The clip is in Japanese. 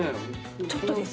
ちょっとです。